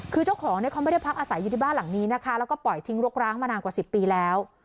คือเจ้าของเนี่ยเขาไม่ได้พักอาศัยอยู่ที่บ้านหลังนี้นะคะแล้วก็ปล่อยทิ้งรกร้างมานานกว่า๑๐ปีแล้ว